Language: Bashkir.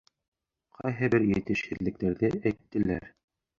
Ҡайһы бер етешһеҙлектәрҙе әйттеләр.